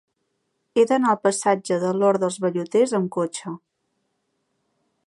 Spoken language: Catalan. He d'anar al passatge de l'Hort dels Velluters amb cotxe.